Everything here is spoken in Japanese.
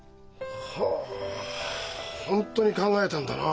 はあ本当に考えたんだな。